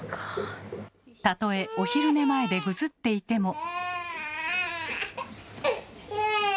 たとえお昼寝前でぐずっていても。